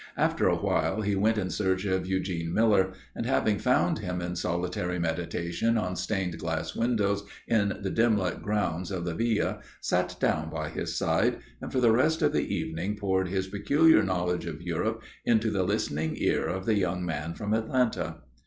After a while he went in search of Eugene Miller and having found him in solitary meditation on stained glass windows in the dim lit grounds of the Villa, sat down by his side and for the rest of the evening poured his peculiar knowledge of Europe into the listening ear of the young man from Atlanta.